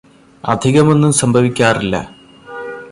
അധികമൊന്നും സംഭവിക്കാറില്ല